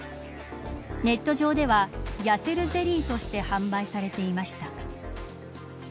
ネット上ではやせるゼリーとして販売されていました。